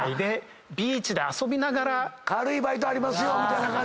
軽いバイトありますよみたいな感じで。